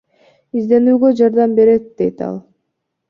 Изденүүгө жардам берет дейт ал.